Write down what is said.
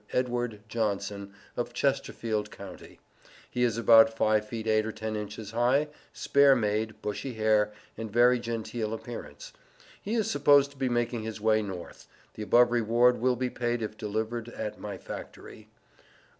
Edward Johnson, of Chesterfield county. He is about 5 feet 8 or 10 inches high, spare made, bushy hair, and very genteel appearance; he is supposed to be making his way North. The above reward will be paid if delivered at my factory.